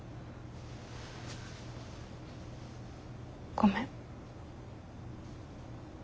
ごめん。